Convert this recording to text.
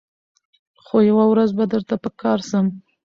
خو یوه ورځ به درته په کار سم